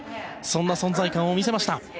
そんな存在感を見せました。